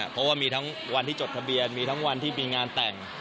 เพราะว่ามีทั้งวันที่จดทะเบียนมีทั้งวันที่มีงานแต่ง